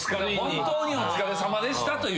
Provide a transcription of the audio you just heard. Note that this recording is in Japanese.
本当にお疲れさまでしたという。